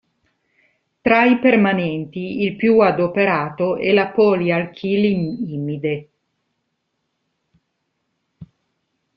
Tra i permanenti il più adoperato è la poli-alchil-immide.